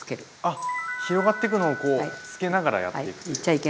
あっ広がってくのをこうつけながらやっていくという。